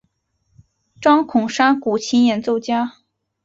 张孔山古琴演奏家。